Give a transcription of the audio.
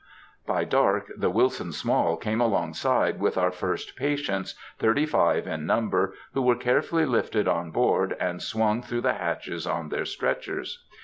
By dark the Wilson Small came along side with our first patients, thirty five in number, who were carefully lifted on board and swung through the hatches on their stretchers.